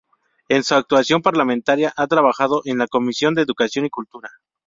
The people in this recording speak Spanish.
En su actuación parlamentaria ha trabajado en la comisión de Educación y Cultura.